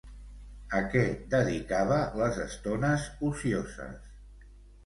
A què dedicava les estones ocioses?